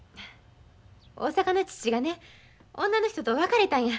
大阪の父がね女の人と別れたんや。